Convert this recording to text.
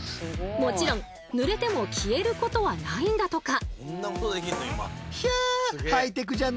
もちろんぬれても消えることはないんだとか。